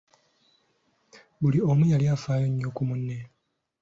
Buli omu yali afaayo nnyo ku munne .